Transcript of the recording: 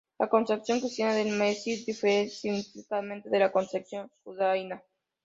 La concepción cristiana del Mesías difiere significativamente de la concepción judaica.